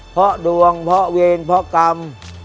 เพราะดวงเพาะเวรเพาะกรรม